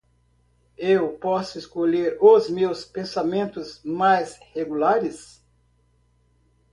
Eu posso escolher os meus pensamentos mais regulares.